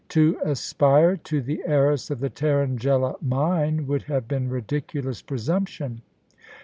To aspire to the heiress of the Tarrangella Mine would have been ridiculous presumption.